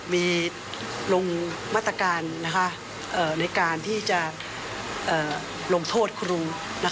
มีลงมาตรการในการที่จะลงโทษครู